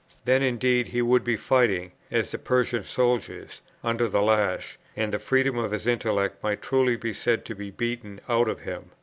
Then indeed he would be fighting, as the Persian soldiers, under the lash, and the freedom of his intellect might truly be said to be beaten out of him.